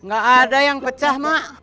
gak ada yang pecah mak